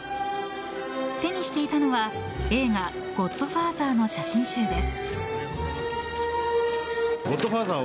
手にしていたのは映画「ゴッドファーザー」の写真集です。